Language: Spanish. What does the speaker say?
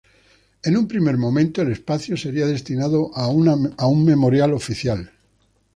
En un primer momento, el espacio sería destinado a un memorial oficial.